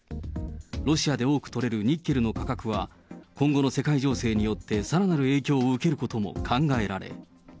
ロシアで多く取れるニッケルの価格は、今後の世界情勢によって、さらなる影響も受けることも考えられ。